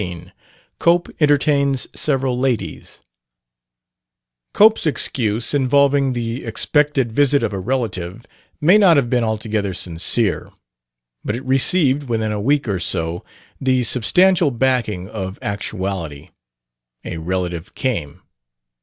15 COPE ENTERTAINS SEVERAL LADIES Cope's excuse, involving the expected visit of a relative, may not have been altogether sincere, but it received, within a week or so, the substantial backing of actuality: a relative came.